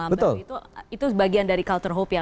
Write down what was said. itu bagian dari culture hope yang